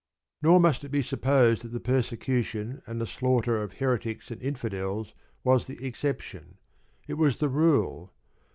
Nor must it be supposed that the persecution and the slaughter of "Heretics" and "Infidels" was the exception. It was the rule.